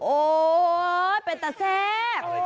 โอ้เป็นแต่แทรก